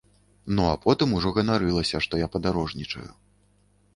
Ну а потым ужо ганарылася, што я падарожнічаю.